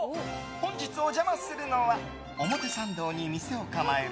本日お邪魔するのは表参道に店を構える